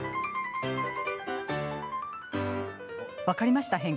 分かりました？